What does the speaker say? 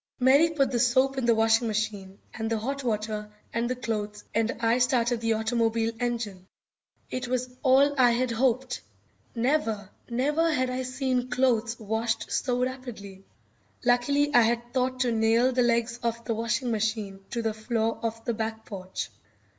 Mary put the soap in the washing machine, and the hot water, and the clothes, and I started the automobile engine. It was all I had hoped. Never, never had I seen clothes washed so rapidly. Luckily I had thought to nail the legs of the washing machine to the floor of the back porch.